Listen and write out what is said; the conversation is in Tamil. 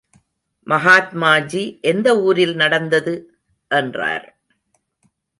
மகாத்மாஜி எந்த ஊரில் நடந்தது? என்றார்.